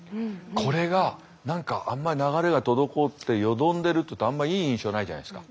これが何か流れが滞ってよどんでるっていうとあんまいい印象ないじゃないですか。